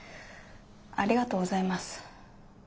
ありがとうございます。